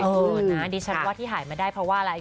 เออนะดิฉันว่าที่หายมาได้เพราะว่าอะไร